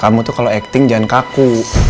kamu tuh kalau acting jangan kaku